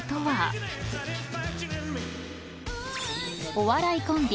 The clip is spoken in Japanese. ［お笑いコンビ］